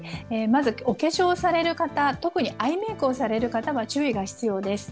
まず、お化粧される方、特にアイメークをされる方は注意が必要です。